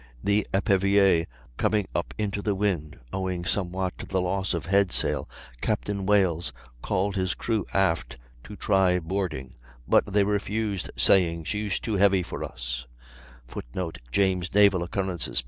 The Epervier coming up into the wind, owing somewhat to the loss of head sail, Capt. Wales called his crew aft to try boarding, but they refused, saying "she's too heavy for us," [Footnote: James, "Naval Occurrences," p.